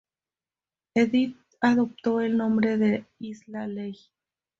Edith adoptó el nombre de Isla Leigh.